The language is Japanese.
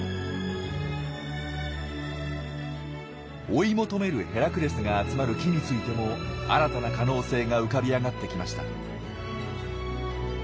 追い求めるヘラクレスが集まる木についても新たな可能性が浮かび上がってきました。